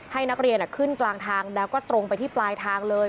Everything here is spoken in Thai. ให้นักเรียนขึ้นกลางทางแล้วก็ตรงไปที่ปลายทางเลย